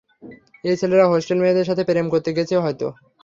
এই ছেলেরা হোস্টেল মেয়েদের সাথে প্রেম করতে গেছে হয়তো।